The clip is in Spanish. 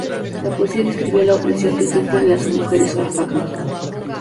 La poesía describía la opresión que sufren las mujeres afganas.